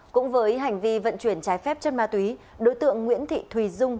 cũng với hành vi vận chuyển trái phép chất ma túy đối tượng nguyễn thị thùy dung